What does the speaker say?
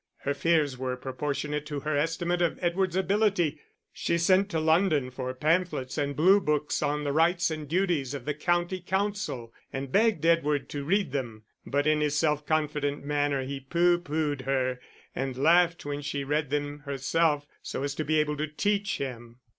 Her fears were proportionate to her estimate of Edward's ability! She sent to London for pamphlets and blue books on the rights and duties of the County Council, and begged Edward to read them. But in his self confident manner he pooh poohed her, and laughed when she read them herself so as to be able to teach him.